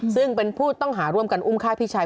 ซึ่งเป็นผู้ต้องหาร่วมกันอุ้มฆ่าพี่ชาย